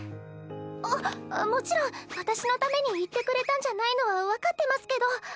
あっもちろん私のために言ってくれたんじゃないのは分かってますけど。